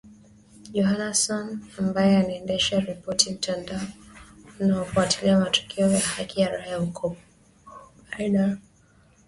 Johanna Son ambaye anaendesha ripoti mtandao unaofuatilia matukio ya haki za raia huko Myanmar